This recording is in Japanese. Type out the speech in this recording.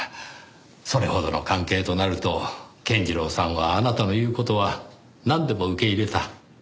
それほどの関係となると健次郎さんはあなたの言う事はなんでも受け入れた。